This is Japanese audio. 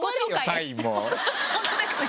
本当ですね